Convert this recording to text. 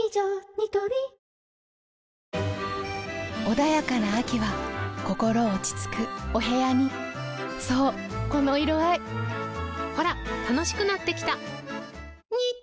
ニトリ穏やかな秋は心落ち着くお部屋にそうこの色合いほら楽しくなってきた！